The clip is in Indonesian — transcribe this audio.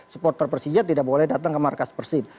supporter persija tidak boleh datang ke markas persib